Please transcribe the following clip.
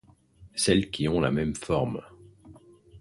Celles qui ont la même forme.